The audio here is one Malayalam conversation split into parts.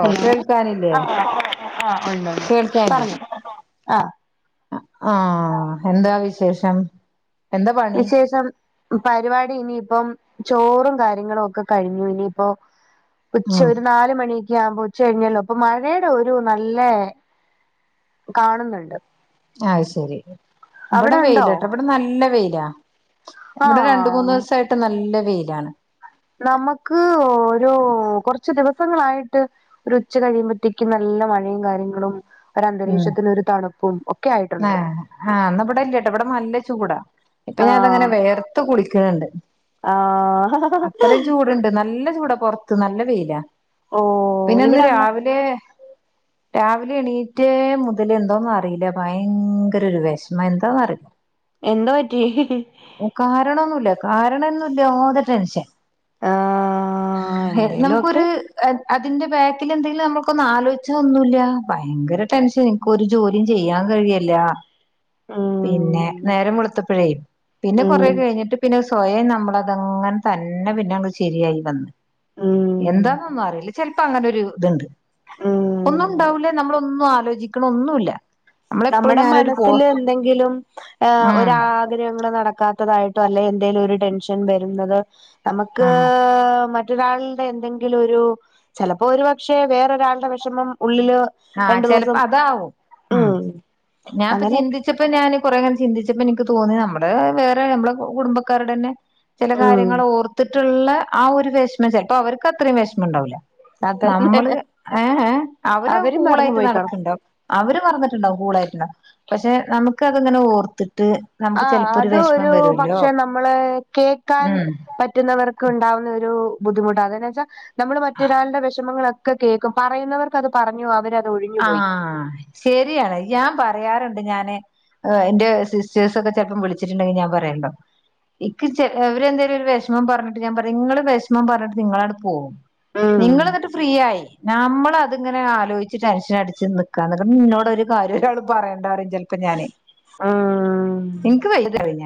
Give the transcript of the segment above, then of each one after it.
ഹലോ. ആഹ് ഉണ്ട് കേൾക്കാനില്ലേ പറഞ്ഞോ ആഹ് ആഹ് എന്താ വിശേഷം. എന്താ പണി വിശേഷം. പരിപാടി ഇനിയിപ്പം ചോറും കാര്യങ്ങളും ഒക്കെ കഴിഞ്ഞു. ഇനിയിപ്പോ ഉച്ച ഉം ഒരു നാല് മണി. ക്കെ ആവുപോ ഉച്ച കഴിഞ്ഞല്ലോ. അപ്പൊ മഴയുടെ ഒരു നല്ല കാണുന്നുണ്ട്. അഹ് ശെരി. ഇവിടെ അവിടെ ഉണ്ടോ വെയിലാട്ടോ. ഇവിടെ നല്ല വെയിലാ. ഇവിടെ രണ്ട് മൂന്ന് ആഹ് സായിട്ട് നല്ല വെയിലാണ്. നമുക്ക് ഒരു കുറച്ച് ദിവസങ്ങളായിട്ട്. ഒരു ഉച്ച കഴിയുമ്പോഴത്തേക്കും നല്ല മഴയും കാര്യങ്ങളും ഒര ന്തരീക്ഷത്തില് ഒരു തണുപ്പും. ആയിട്ടുണ്ട് ഏഹ് ആഹ് ന്ന ഇവിടെ ഇല്ലേട്ടോ. ഇവിടെ നല്ല ചൂടാ. ഇപ്പൊ ഞാൻ ആഹ് അതങ്ങനെ വേർത്ത് കുളിക്കുന്നുണ്ട്. ആഹ് ഹ ഹ അത്രയും ചൂടുണ്ട്. നല്ല ചൂടാ. പുറ ത്ത് നല്ല വൊയില. ഓ പിന്നെ ന്ന് ഇവിടെന്ന് രാവിലെ രാവിലെ എണീറ്റേ മുതല് എന്തോന്ന റില്ല. ഭയങ്കര രു വേഷമം. എന്താ അറില്ല. എന്തോ പറ്റി. ഹീ ഓഹ് കാരണൊന്നുല്ല. കാരണന്നുല്ലാ തൊ ടെൻഷൻ. ആഹ് ഹേ എന്തേലും ഒക്കെ നമുക്കൊരു ഹേ. അതിന്റെ ബാക്കില് എന്തെലും നമ്മുക്കൊന്ന ആലോചിച്ച ഒന്നുല്ല. ഭയങ്കര ടെൻഷൻ. നിക്ക് ഒരു ജോലിചെയ്യാ ചെയ്യാൻ കഴിയല്ല. ഉം പിന്നെ നേരം വൊളുത്തപ്പഴേ. പിന്നെ ഉം കൊറെ കഴിഞ്ഞിട്ട് പിന്നെ സ് സ്വയം നമ്മള തങ്ങനെ തന്നെ പിന്നെ ശരിയായി വന്ന്. ഉം എന്താന്നോ ന്ന റില്ല. ചിലപ്പോ അങ്ങനെ ഒരു ഇതുണ്ട്. ഉം ഒന്നും ഉണ്ടാവൂല. നമ്മള ഒന്നും ആലോചിക്കണ ഒന്നുല്ല. നമ്മളെപ്പോഴും നമ്മുടെ ഞാനൊരു പോ മനസ്സില് എന്തെങ്കിലും ഏഹ് ഉം ഒരാ ഗ്രഹങ്ങള് നടക്കാത്തതായിട്ടോ അല്ലെ എന്തെലും ഒരു ടെൻഷൻ വരുന്നത്. നമക്ക് ഉം മറ്റ റ്റൊരാളുടെ എന്തെങ്കിലും ഒരു ചിലപ്പോ ഒരുപക്ഷെ വേറൊരാളുടെ വിഷമം ഉള്ളില് ആഹ് രണ്ടു ചെലപ്പോ ദിവസം അതാവും. ഉം ഞാൻ പ്പ അങ്ങനെ ചിന്തി ച്ചപ്പോ ഞാന് കുറെ ങ്ങനെ ചിന്തിച്ചപ്പോ എനിക്ക് തോന്നി നമ്മുടെ വേറെ നമ്മള കുടുംബക്കാരുടെ തന്നെ ചില ഉം കാര്യങ്ങൾ ഓർത്തിട്ടുള്ള ആഹ് ഒരു വിഷമം. ചിലപ്പോ അവർക്ക് അത്രയും വിഷമം ണ്ടാവൂ ല. അതന്നെ നമ്മള് ഏഹ് ഹോ അവര് അവരും മറന്നു പോയി കാണും ടം അവര് മറന്നിട്ടുണ്ടാവും. കൂളായിട്ടുണ്ടവും. പക്ഷെ നമുക്ക് അത്ങ്ങനെ ഓർത്തിട്ട്. നമുക്ക് ആഹ് ചെലപ്പോ ഒരു അത് വിഷമം രു വരുല്ലോ പക്ഷെ നമ്മള് കേക്കാൻ ഉം പറ്റ റ്റുന്നവർക്ക് ണ്ടാവുന്ന ഒരു ബുദ്ധിമുട്ടാണ്. അത വെച്ചാ നമ്മള് മറ്റൊരാളുടെ വിഷമങ്ങ ളോക്കെ കേൾക്കും. പറയുന്നവർക്ക് അത് പറഞ്ഞോ. അവര ആഹ് ശരിയാണ്. ഞാൻ പറയാറുണ്ട്. ഞാന് എന്റെ സിറ്റേഴ്സ് ഒക്കെ ചെലപ്പം വിളിച്ചിട്ടുണ്ടെങ്കി ഞാൻ പറയല്ലോ. ഇക്ക് ച അവരെ ന്താലും ഒരു വിഷമം പറഞ്ഞിട്ട് ഞാൻ പറയും നിങ്ങള് വിഷമം പറഞ്ഞിട്ട് നിങ്ങള ങ്ങട് പോകും. ഉം നിങ്ങള് ന്നിട്ട് ഫ്രീയായി. നമ്മള് അത്ങ്ങനെ ആലോചി ച്ച് ടെൻഷൻ അടിച്ച് ന നിക്കാന്ന്. ഇന്നോട് ഒര് കാര്യം രാൾ പറയേണ്ട പറും ചിലപ്പോ ഞാന്. ഉം ഇൻക്ക് വലിയതഴിഞ്ഞ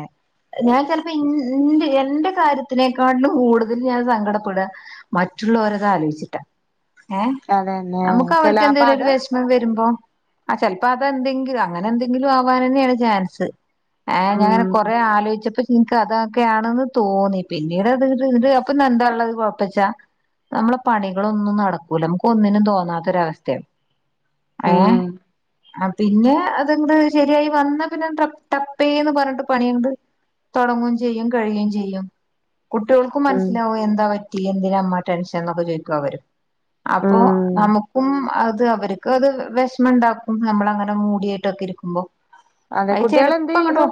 ഞാൻ ചെലപ്പോ ഇൻ ന്റെ എന്റെ കാര്യത്തിനേക്കാട്ടിലും കൂടുതൽ ഞാൻ സങ്കടപ്പെട. ഹ് മറ്റുള്ളോരതാ ആലോയിച്ചിട്ടാ. അത് തന്നേ... ചില രു അത് വിഷമം വരുമ്പോ ആ ചിലപ്പോ അതെന്തെങ്കിലു അങ്ങനെ എന്തെങ്കിലു ആവാനന്നെയാണ് ചാൻസ് ഏ ഞാങ്ങനെ ഉം കൊറേ ആലോയിച്ചപ്പോ ഇൻക്ക്താ ക്കെയാണെന്ന് തോന്നി. പിന്നീട് അത് ത് ഇത് അപ്പൊ എന്താ ള്ളത് കൊഴപ്പച്ചാ നമ്മളെ പണികളൊന്നും നടക്കൂല മുക്ക് ഒന്നിനു തോന്നാത്തൊരവസ് ത്യം ഏഹ് ഉം ആ പിന്നെ അതങ്ങ്ട് ശെരിയായിവന്നപിന്നെ റപ്പ് ടപ്പേന്ന് പറഞ്ഞിട്ട് പണിയങ്ങട് തൊടങ്ങു ചെയ്യും കഴിയു ചെയ്യും കുട്ട്യോൾക്കും ഉം മനസ്സിലാവു എന്താ പറ്റി എന്തിനാ മ്മ ടെൻഷൻ എന്നൊക്കെ ചോദിക്കുവര് അപ്പൊ ഉം നമുക്കും അത് അവർക്കത് വെഷമം ണ്ടാക്കും. നമ്മളങ്ങന മൂടിയായിട്ടൊക്കെ ഇരിക്കുമ്പോ അതെ അയ് കുട്ടികൾ എന്ത് ചെലപ്പൊങ്ങട്ടോ ചെയ്യുന്നു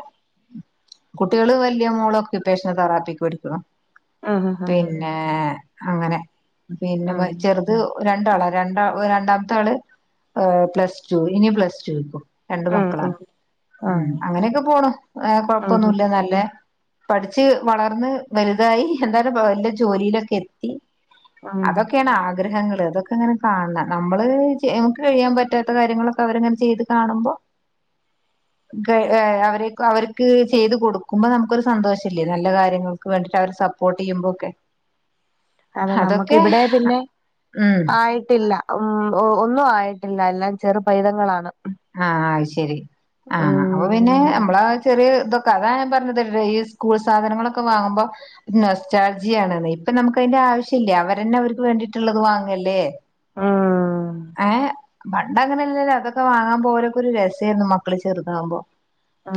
ഉം കുട്ടികള് വല്യയ മോളൊക്കെപ്പേഷന് തെറാപ്പിക്ക് പഠിക്ക്ണു ആഹ് ആഹ് ആഹ് പിന്നെ അങ്ങനെ. പിന്നെ വ ആഹ് ചെറുത് ഒ രണ്ടാളാ രണ്ട ഓ രണ്ടാമത്താള് ഏ പ്ലസ് ടു ഇനി പ്ലസ് ടുക്കും രണ്ട് ഉം ഉം ഉം മക്കളാണ്. ഉം ആഹ് അങ്ങനെയൊക്കെ പോണു ഏഹ് ഉം കൊഴപ്പൊന്നുല്ല നല്ലേ പഠിച്ച് വളർന്ന് വലുതായി. എന്തായാലും വല്ല ജോലിയിലൊക്കെ എത്തി ഉം അതൊക്കെയാണ് ആഗ്രഹങ്ങള് അതൊക്കെ ങ്ങനെ കാണം നമ്മള് ചെ നമക്ക് കഴിയാൻ പറ്റാത്ത കാര്യങ്ങളൊക്കെ അവരങ്ങനെ ചെയ്ത് കാണുമ്പോ ക്കെ ഏ അവരെ അവര്ക്ക് ചെയ്ത് കൊടുക്കുമ്പോ നമുക്കൊരു സന്തോഷല്ലേ നല്ല കാര്യങ്ങൾ ക്ക് വേണ്ടിട്ടവര് സപ്പോർട്ട്യ്യുമ്പൊക്കെ അതെ നമ്മക്ക് ഇവിടെ പിന്നെ ഉം ആയിട്ടില്ല ഉം ഓ ഒന്നുആയിട്ടില്ല എല്ലാം ചെറുപൈതങ്ങളാണ് ഉം ആഹ് അയ്ശെരി ആഹ് അപ്പൊ പിന്നെ ഉം നമ്മളാ ചെറിയ ഇതൊക്കെ അതാ ഞാപറഞ്ഞത് വയ്സ് സ്കൂൾ സാധനങ്ങളൊക്കെ വാങ്ങുമ്പോ പിന്നെ നൊസ്റ്റാൾജിയാണതയ്. ഇപ്പൊ നമുക്ക് അയിന്റെ ആവശ്യല്ല അവരന്നെ അവരിക്ക് വേണ്ടിട്ടുള്ളത് വാങ്ങല്ലേ ഉം ഏഹ് പണ്ടങ്ങനെല്ലല്ലോ തൊക്കെ വാങ്ങാൻ പോകലക്കൊരു രസായിര്ന്നു മക്കള് ചെറ്താമ്പോ.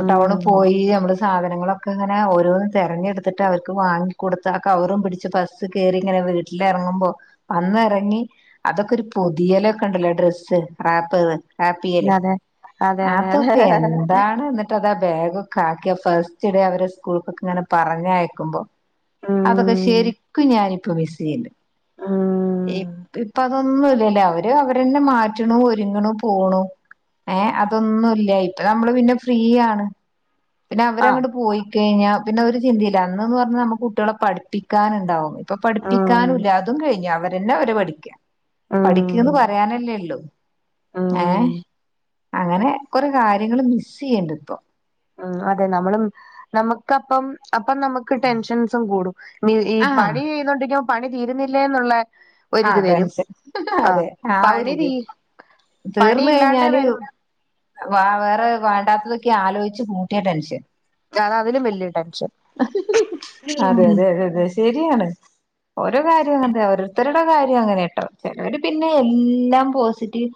പ്പ ടൗണിപോയി നമ്മള് സാധനങ്ങളൊക്കെ ങ്ങന ഓരോന്നും തെരഞ്ഞെടുത്തിട്ട് അവർക്ക് വാങ്ങിക്കടുത്ത്ആ കവറും പിടിച്ച് ബസ് സ് കേറി ങ്ങനെ വീട്ടിലെറങ്ങുമ്പോ വന്ന റങ്ങി അതൊക്കെരു പുതിയലൊക്കെ ണ്ടല്ലോ ഡ്രസ്സ്. റാപ്പ് റാപ്പിയ്യല് അതെ അതെ അതെ അതെ അതൊക്കെ ന്താണ് ന്നിട്ട് ട്ടതാ ബാഗൊക്കെ ആക്കിയാ ഫസ്റ്റ് ഡേ അവരെ സ്കൂൾക്കൊക്കെ ങ്ങനെ പറഞ്ഞയക്കുമ്പോ അതൊക്കെ ഉം ശെരിക്കും ഞാനിപ്പ മിസ്‌യ്യ് ഉം ണ്ട് ഇപ്പ ഒന്നുല്ലല്ലോ അവര് അവരന്നെ മാറ്റണു ഒരുങ്ങ്ണു പോണു ഏഹ് അതൊന്നുല്ല ഇപ്പൊ നമ്മള് പിന്നെ ഫ്രീയാണ് പിന്നെ ആഹ് അവരങ്ങട് പോയി കെയിഞ്ഞാ പിന്നെ ഒര് ചിന്തീല്ല. അന്ന്ന്നറഞ്ഞൽ നമു കുട്ട്യാള പഠിപ്പിക്കാനുണ്ടാവുയ് പ്പൊ ഉം പഠിപ്പിക്കാനൂല്ല അതും കഴിഞ് അവരന്നെ അവര് പഠിക്കാ ഉം പഠിക്ക്‌ന്ന് പറയാനല്ലേള്ളു ഉം ഏഹ് അങ്ങനെ കുറെ കാര്യങ്ങള് മിസ്സ്യ്യ് ണ്ട് പ്പോ ഉം അതെ നമ്മളും നമുക്കപ്പം അപ്പം നമക്ക് ക്ക് ടെൻഷൻസും കൂടും. ഇനി ഈ ആഹ് പണിയ്ന്നുണ്ടെങ്കി അ പണി തീരുന്നില്ലേന്നുള്ളേ ആഹ് ടെൻഷൻ അതെ ആ പണി ഒരിത് തീ പണി തീർന്ന് ഇല്ലാണ്ടേ കഴിഞ്ഞാല് വരും വ വേറെ വേണ്ടാത്തതൊക്കെ ആലോയിച്ച് കൂട്ടിയ ടെൻഷൻ അതാ അതിലും വല്യയ ടെൻഷൻ അതെ ഉംഹ് അതെ അതെ അതെ ശരിയാണ് ഓരോ കാര്യവു അതെയ ത്തരുടെ കാര്യം അങ്ങനെട്ടോ ചെലവര് പിന്നെ എല്ലാം പോസിറ്റീവ്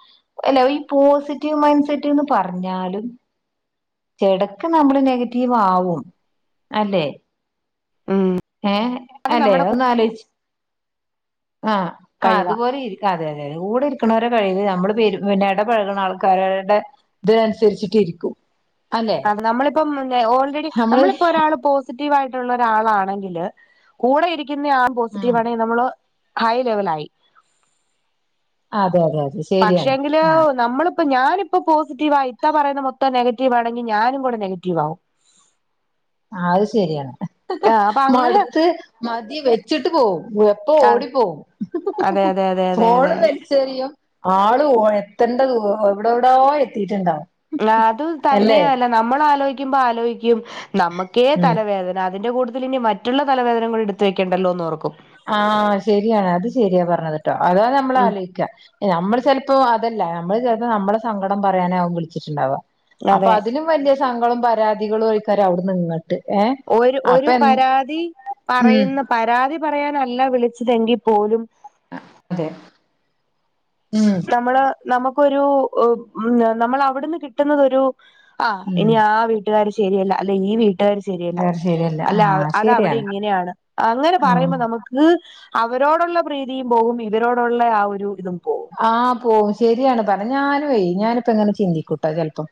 എല്ല ഈ പോസിറ്റീവ് മൈൻഡ്സെറ്റന്ന് പറഞ്ഞാലും എടക്ക് നമ്മള് നെഗറ്റീവാവും അല്ലെ ഉം ഏഹ് അത് അല്ലേ നമ്മുടെ ഒന്നാലോയിച് ആഹ് ആ കഴിവാ അതുപോലെ ഇരി അതെയതെയതെ കൂടെ ഇരിക്കണോരെ കഴിവ് നമ്മള് പെരു പിന്നെ എടപഴകണ ആൾക്കാരുടെ ഇത്നുസരിച്ചിട്ടിരിക്കും. നമ്മളിപ്പം ഓൾറെഡി, നമ്മള് നമ്മളിപ്പോ ഒരാള് പോസിറ്റീവായിട്ടുള്ള ഒരാളാണെങ്കില് കൂടെ ഇരിക്കുന്ന ആൾ പോസിറ്റീവ് ആഹ് ആണെങ്കിൽ നമ്മള് ഹൈ ലെവലയി. അതെ അതെ അതെ ശരിയാണ് പക്ഷെങ്കില് ആഹ് നമ്മള് പ്പ ഞാനിപ്പോ പോസിറ്റീവാ, ഇത്ത പറയുന്നമൊത്തം നെഗറ്റീവ് ആണെങ്കി ഞാനും കൂടെ നെഗറ്റീവ് ആവും. അത് ശരിയാണ്. ആഹ് അപ്പൊ അങ്ങനെ മടുത്ത് മതി വെച്ചിട്ട് പോവും എപ്പോ ഓടിപ്പോവും അതെ അതെ അതെ അതെ അതെ ഫോള് അതെ വല്ച്ചറിയ ആള് വയത്തേണ്ട എവിടെവിടോ എത്തിട്ടുണ്ടാവും. ആഹ് അത് തന്നെയല്ല നമ്മൾ ആലോചിക്കുമ്പോ ആലോയ്ക്കും നമ്മു ക്കെ ഉം തലവേദന അതിന്റെ കൂട്ടത്തിൽ ഇനി മറ്റുള്ള തലവേദന കൂടെ എടുത്ത് വെക്കേണ്ടല്ലോന്ന് ഓർക്കും. ആഹ് ശരിയാ അത് ശരിയാ പറഞ്ഞത്ട്ടോ അതാ നമ്മൾ ഉം ആലോയ്ക്കാ നമ്മള് ചെലപ്പോ അതല്ല നമ്മള് ചിലപ്പോ നമ്മളെ സങ്കടം പറയാനാവും വിളിച്ചിട്ടുണ്ടാവാ. അപ്പൊ അതെ അതിലും വല്യ സങ്കടങ്ങളും പരാതികളും ആയിക്കാരം അവിടെന്ന് ങ്ങട്ട് ഏഹ് ഒരു ഒരു അപ്പൊ പരാതി ഉം പറയുന്ന പരാതി പറയാനല്ല വിളിച്ചതെങ്കി പോലും അതെ ഉം നമ്മള് നമുക്കൊരു നമ്മൾ അവിടുന്ന് കിട്ടുന്നതോരു ആഹ് ഉം ഇനി ആ വീട്ടുകാര് ശരിയല്ല അല്ല ഈ വീ ട്ട്കാര് ശരിയല്ല. അത് ശരിയല്ല അല്ല ആഹ് ശരിയാണ് അതവിടെ ഇങ്ങനെയാണ് അങ്ങനെ ആഹ് പറയുമ്പോ നമുക്ക് ഇത് അവരോടുള്ള പ്രീതിയും പോകും ഇവരോടുള്ള ആഹ് ഒരു ഇതും പോകും. ആഹ് പോവും ശരിയാണ് പറഞ്. ഞാനും ഞാനിപ്പങ്ങനെ ചിന്തിക്കൂട്ടോ ചിലപ്പോ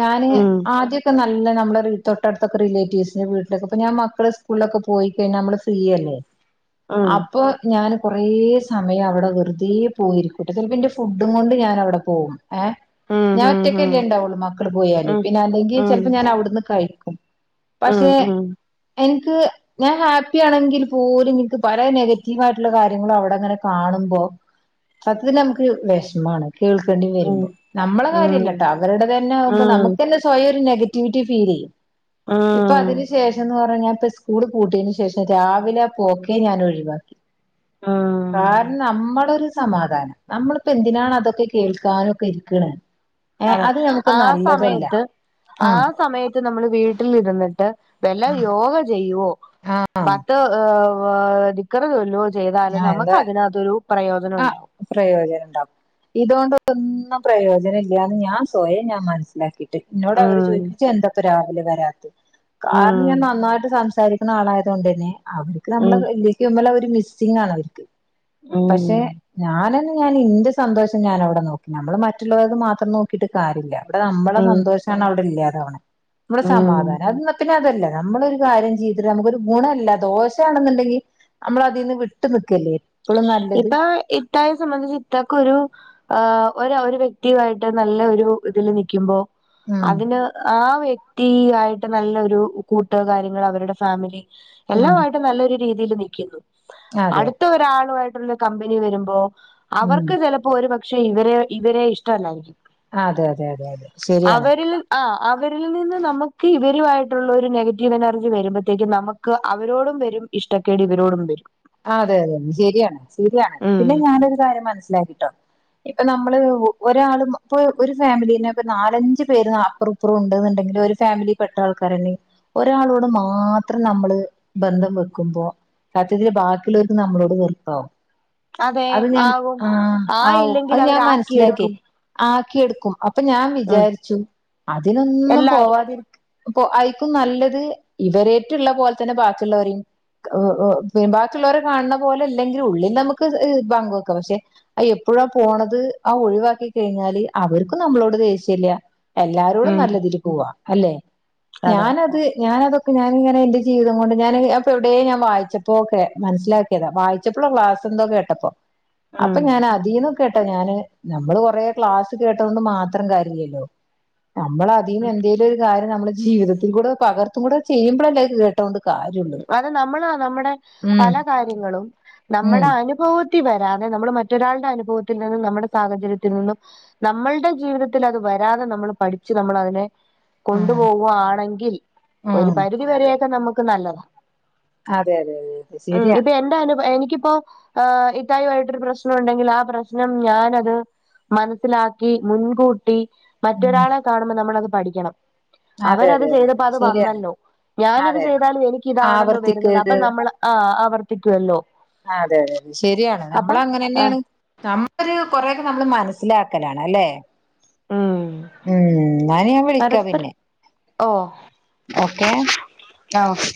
ഞാന് ഉം ആദ്യൊക്കെ നല്ല നമ്മള തൊട്ടടുത്തൊക്കെ റിലെറ്റീവ്സിന്റെ വീട്ടിലക്കെ ഇപ്പോമക്കൾ സ്കൂളിലൊക്കെ പോയി കഴിഞ്ഞാ നമ്മള് ഫ്രീയല്ലേ? ഉം അപ്പൊ ഞൻ കൊറേ സമയം അവിടെ വെറുതെ പോയിരിക്കൂട്ടെ ചിലപ്പന്റെ ഫുഡും കൊണ്ട് ഞാൻ അവിടെ പോകും ഏഹ് ഉം ഞാൻ ഉം ഒറ്റക്കല്ലേ ഉണ്ടാവുള്ളു മക്കള് പോയല്. ഉം പിന്നെ അല്ലെങ്കിൽ ഉം ചിലപ്പോ ഞാൻ അവിടുന്ന് കഴിക്കും. ഉം പക്ഷെ എനിക്ക് ഞാൻ ഹാപ്പിയണെങ്കിൽ പോലും ഇന്ക്ക് പല നെഗറ്റീവയിട്ടുള്ള കാര്യങ്ങളും അവിടെ അങ്ങനെ കാണുമ്പോ സത്യത്തിൽ നമുക്ക് വിഷമമാണ് കേൾക്കേണ്ടി ഉം ഉം വരുമ്പോ നമ്മളെ ഉം കാര്യല്ലട്ടോ അവരുടെതന്നെ ആവുമ്പോ ഉം ഉം നമുക്ക് തന്നെ സ്വയം ഒരു നെഗറ്റിവിറ്റി ഫീൽ ചെയ്യും. ഇപ്പൊ ഉം അതിന് ശേഷംന്ന് പറഞ്ഞ സ്കൂൾ പൂട്ടിയന് ശേഷം രാവിലെ പോക്കെ ഞാൻ ഒഴിവാ ഉം കാരണം നമ്മളൊരു സമാധാനം നമ്മളിപ്പോ എന്തിനാണ് അതൊക്കെ കേൾക്കാനും ഒക്കെ ഇരിക്കണെ അതെ ആഹ് സമയത്ത് ആ ആഹ് സമയ ത്ത് നമ്മൾ വീട്ടിൽരുന്നിട്ട് വല്ല യോഗ ചെയ്യുവോ ആഹ ആ ഭത്ത ഏഹ് ദിക്കറ് ചോല്ലയോ ചെയ്താലും നമുക്ക് എന്താ അതിനകത്തൊരു പ്രയോജനം ആ ഉണ്ടാവും. പ്രയോജനം ഉണ്ടാവും ഇതുകൊണ്ട് ഒന്നും പ്രയോജനം ഇല്ലന്ന് ഞാൻ സ്വയം ഞാൻ മനസ്സിലാക്കി. ഇന്നോട് അവര് ഉം ചോദിക്കും ഇജ്ജെന്തപ്പ രാവിലെ വരാത്തെ? കാരണം ഞാൻ ഉം നന്നായിട്ട് സംസാരി ക്ക്ണ ആളായതൊണ്ട് തന്നെ അവർക്ക് ഉം നമ്മള്പ മിസ്സിങാണ് അവർക്ക് പക്ഷെ ഉം ഞാനന്ന ഞാൻ ഇന്റെ സന്തോഷം ഞാൻവിടെ നോക്കി നമ്മള് മറ്റുള്ളവർത് മാത്രം നോക്കിട്ട് കാര്യല്ല. അവിടെ നമ്മളെ ഉം സന്തോഷണ് അവിടെ ഇല്ലാതവണ നമ്മുടെ ഉം സമാധാനം അ പിന്നെ അതല്ല നമ്മളൊരു കാര്യം ചെയ്തിട്ട് നമുക്കൊരു ഗുണല്ല ദോശണെന്നുണ്ടെങ്കിൽ നമ്മള അതിൽന്ന് വി ട്ട് നിക്കല്ലേ? നല്ലത് ഇപ്പ ഇത്തായെ സംബന്ധിച്ച് ഇത്തക്കൊരു ആഹ് ഒര ഒരു വ്യക്തിആയിട്ട് നല്ല ഒരു ഇതില് നിൽക്കുമ്പോ ഉം അതിന് ആഹ് വ്യ ക്തി ആയിട്ട് നല്ലൊരു കൂട്ട് കാര്യങ്ങൾ അവരുടെ ഫാമിലി എല്ലാ ഉം ആയിട്ട് നല്ലൊരു രീതില് നിക്കുന്നു. അതെ അടുത്ത ഒരാളു ആയിട്ട്ള്ള കമ്പനി വരുമ്പോ ഉം അവർക്ക് അപ്പോ ഒരു പക്ഷെ ഇവരെ ഇവരെ ഇഷ്ടമല്ലായിരിക്കും ആ ഹ് അതെ അതെ അതെ അതെ ശരിയാണ്. ആഹ് അവരിൽ നിന്ന് നമുക്ക് ഇവരുമായിട്ടുള്ള ഒരു നെഗറ്റീവ് എനർജി വരുമ്പോഴത്തേക്കും നമു ക്ക് അവരോടും വരും ഇഷ്ടക്കേട് ഇവരോടും വരും ആഹ് അതെ അതെ ശരിയാണ് ശരിയാണ് ഉം പിന്നെ ഞാനൊരു കാര്യം മനസ്സിലാക്കിട്ടോ ഇപ്പൊ നമ്മള് ഒരാള് ഇപ്പൊ ഒരു ഫാമിലീ ഒക്കെ നാലഞ്ച് പേര് അപ്പറു ഇപ്പറം ഉണ്ടെങ്കിൽ ഒരു ഫാമിലി പെട്ട ആൾക്കാരന്നെ ഒരാളോട് മാത്രം നമ്മള് ബന്ധം വെക്കുമ്പോ സത്യത്തിൽ ബാക്കിള്ളോർക്ക് നമ്മളോട് വെറുപ്പാവും അതെ അത് ഞാൻ ആകും ആഹ് ആ ആവും ഇല്ലെങ്കിൽ അത് ഞാൻ മനസ്സിലാക്കി അവരാക്കിയെടുക്കും ആക്കിയെടുക്കും. അപ്പൊ ഞാൻ ഉം വിചാരിച്ചു അതിനൊന്നും എല്ലാരും പോവാതി അപ്പൊ ആയിരിക്കും നല്ലത് ഇവരറ്റ്ള്ള പോലെ തന്നെ ബാക്കിയുള്ളവരെയും പിൻ ബാക്കിയുള്ളവരെ കാണുന്ന പോലെ അല്ലെങ്കിൽ ഉള്ളിൽ നമുക്ക് പങ്കക്കാം പക്ഷെ. ആഹ് എപ്പോഴാ പോണത് ആ ഒഴിവാക്കി കഴിഞ്ഞാല് അവർക്കും നമ്മളോട് ദേഷ്യല്ല എല്ലാരോടും ഉം നല്ലതിൽ പോവാ അല്ലെ അതെ ഞാനത് ഞാനതൊക്കെ ഞാനിങ്ങന എന്റെ ജീവിതം കൊണ്ട്ഞൻ അപ്പ എവിടെയ ഞാൻ വായിച്ചപ്പോ അപ്പോക്കെ മനസ്സിലാക്കിയതാ വായിച്ചപ്പോള ക്ലാസ് എന്തോ കേട്ടപ്പോ അപ്പൊ ഉം ഞാൻ അതീന്ന് കേട്ടോ ഞാന് നമ്മള് കൊറ ക്ലാസ്സ് കേട്ടൊണ്ട് മാത്രം കാര്യല്ലോ നമ്മള അതിന് എന്തേലും ഒരു കാര്യം നമ്മള് ജീവിതൽ കൂടെ പകർത്തും കൂടെ ചെയ്യുമ്പോഴല്ലേക്ക് കേട്ടത് കൊണ്ട് കാര്യൊള്ളു അത് നമ്മള നമ്മുടെ പല കാര്യങ്ങളും നമ്മുടെ ഉം അനു അനുഭവത്തി വരാതെ നമ്മള് മറ്റൊരാളുടെ അനുഭവത്തിൽ നിന്നും നമ്മുടെ സാഹചര്യത്തിൽ നിന്നും നമ്മളുടെ ജീവിതത്തിൽ അത് വരാതെ നമ്മൾ പഠിച്ച് നമ്മൾ അതിനെ കൊണ്ടു പോവാണെങ്കിൽ ഒരു ഉം പരിധി അതെ വരെയൊക്കെ നമുക്ക് നല്ലതാണ് അതെ അതെ അതെ ഉം ശരിയാണ് ഇത് എന്റെ അനുബ എനിക്കിപ്പോ ആഹ് ഇത്തായിമായിട്ടരു പ്രശ്നം ഉണ്ടെങ്കിൽ ആ പ്രശ്നം ഞാനത് മനസ്സിലാക്കി മുൻകൂട്ടി ഉം മറ്റൊരാളെ കാണുമ്പോൾ നമ്മളത് പഠിക്കണം അതെ അവരത് അതെ അതെ ചെയ്തപ്പോ അതെ അത് ശരിയാണ് വന്നല്ലോ ഞാനിത് അതെ ചെയ്താലും എനിക്കിതാണല്ലോ വരുന്നത് അപ്പൊ ആവർത്തിക്കരുത് ന ആ് ആവർത്തിക്കുവല്ലോ ആ അതെ അതെ അതെ ശരിയാണ് അപ്പ നമ്മള അങ്ങനെ ആ തന്നെയാണ് നമ്മളരു കൊറെയൊക്കെ നമ്മള് മനസ്സിലാക്കലാണ് അല്ലേ ഉം ഉം ഞാൻ വിളിക്കാ പരസ്പരം പിന്നെ ഓ ഓക്കെ. ആഹ് ഓക്കെ.